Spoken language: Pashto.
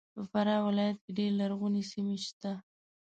په فراه ولایت کې ډېر لرغونې سیمې سته